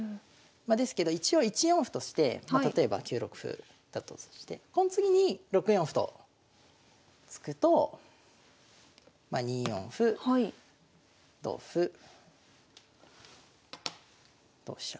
ですけど一応１四歩として例えば９六歩だったとしてこの次に６四歩と突くとまあ２四歩同歩同飛車。